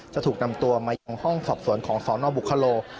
จะถูกนำตัวมายังห้องสอบสวนของสนบุคโล